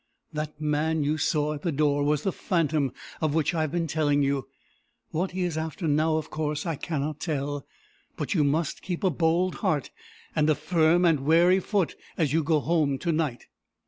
That man you saw at the door was the phantom of which I have been telling you. What he is after now, of course, I cannot tell; but you must keep a bold heart, and a firm and wary foot, as you go home to night."